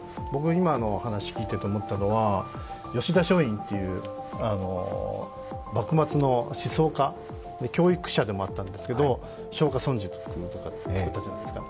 今のお話聞いていて思ったのは吉田松陰っていう幕末の思想家、教育者でもあったんですけど、松下村塾とかつくったじゃないですか。